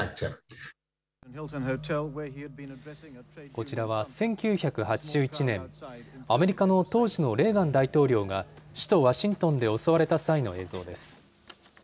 こちらは１９８１年、アメリカの当時のレーガン大統領が、首都ワシントンで襲われた際の映像です。